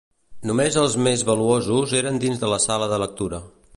Només els més valuosos eren dins de la sala de lectura.